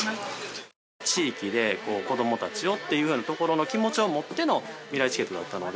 地域で子どもたちをっていうようなところの気持ちを持ってのみらいチケットだったので。